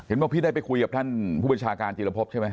บอกพี่ได้ไปคุยกับท่านผู้บัญชาการจิรพบใช่ไหม